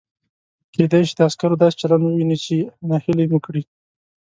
کېدای شي د عسکرو داسې چلند ووینئ چې نهیلي مو کړي.